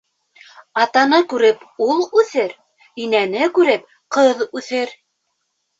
Атаны күреп ул үҫер, инәне күреп ҡыҙ үҫер.